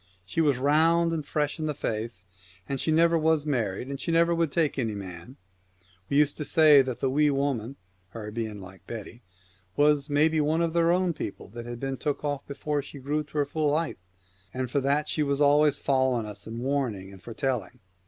She was round and fresh in the face, and she never was married, and she never would take any man ; and we used to say that the Wee Woman — her being like Betty — was, maybe, one of their own The Friends of people that had been took off before she the People grew to her full height, and for that she of Faery * was always following us and warning and foretelling.